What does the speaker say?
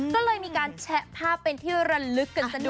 ก็เลยมีการแชะภาพเป็นที่ระลึกกันซะด้วย